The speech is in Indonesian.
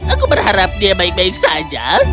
aku berharap dia baik baik saja